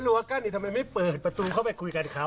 รู้ว่ากันนี่ทำไมไม่เปิดประตูเข้ามาคุยกันครับ